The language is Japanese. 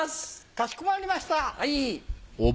かしこまりました。